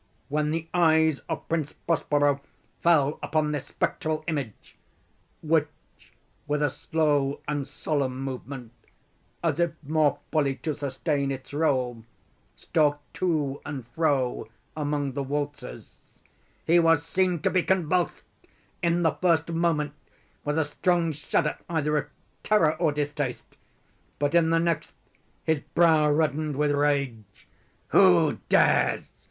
When the eyes of Prince Prospero fell upon this spectral image (which with a slow and solemn movement, as if more fully to sustain its role, stalked to and fro among the waltzers) he was seen to be convulsed, in the first moment with a strong shudder either of terror or distaste; but, in the next, his brow reddened with rage. "Who dares?"